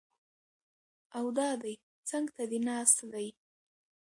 او دا دی څنګ ته دې ناست دی!